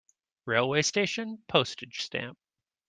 Railway station Postage stamp.